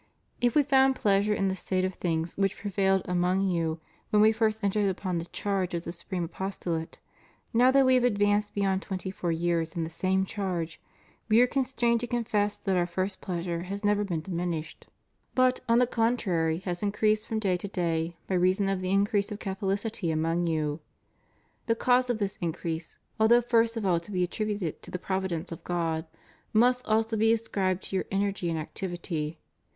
If We found pleasure in the state of things which prevailed among you when We first entered upon the charge of the Supreme Apostolate, now that We have advanced beyond twenty four years in the same charge. We are constrained to confess that Our first pleasure has never been diminished, but, on the 513 514 TO THE AMERICAN HIERARCHY. contrary, has increased from day to day by reason of the increase of Catholicity among you. The cause of this increase, although first of all to be attributed to the provi dence of God, must also be ascribed to your energy and activity.